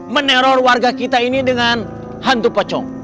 meneror warga kita ini dengan hantu pocong